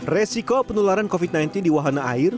resiko penularan covid sembilan belas di wahana air